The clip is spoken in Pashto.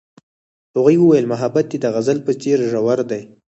هغې وویل محبت یې د غزل په څېر ژور دی.